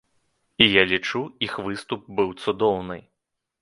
І я лічу, іх выступ быў цудоўны.